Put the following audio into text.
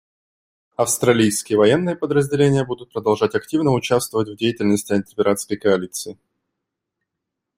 Австралийские военные подразделения будут продолжать активно участвовать в деятельности антипиратской коалиции.